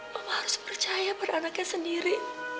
bapak harus percaya pada anaknya sendiri